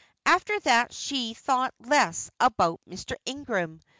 After that she thought less about Mr. Ingram.